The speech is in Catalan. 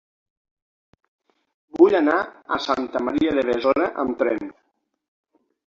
Vull anar a Santa Maria de Besora amb tren.